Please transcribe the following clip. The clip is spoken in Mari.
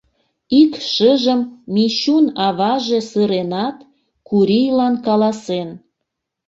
Ик шыжым Мичун аваже сыренат, Курийлан каласен: